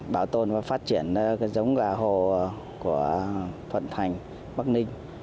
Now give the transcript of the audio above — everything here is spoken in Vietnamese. bảo tồn và phát triển cái giống gà hồ của thuận thành bắc ninh